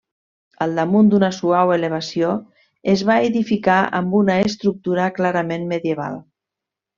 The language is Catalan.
Al damunt d'una suau elevació, es va edificar amb una estructura clarament medieval.